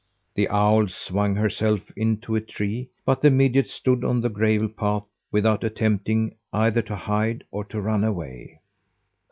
The owl swung herself into a tree, but the midget stood on the gravel path, without attempting either to hide or to run away.